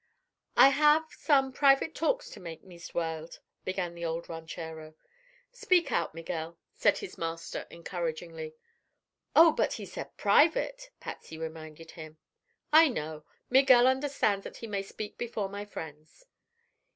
"I have—some—private talks to make, Meest Weld," began the old ranchero. "Speak out, Miguel," said his master encouragingly. "Oh; but he said 'private,'" Patsy reminded him. "I know. Miguel understands that he may speak before my friends."